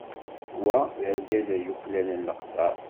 Wa d argaz ay yuklalen leqder.